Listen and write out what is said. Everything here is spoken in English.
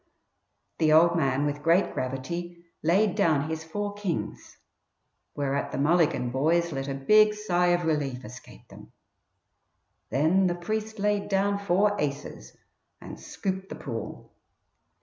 The "old man" with great gravity laid down his four kings, whereat the Mulligan boys let a big sigh of relief escape them. Then the priest laid down four aces and scooped the pool.